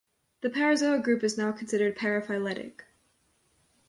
The parazoa group is now considered paraphyletic.